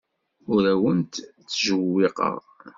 Ur awent-ttjewwiqeɣ.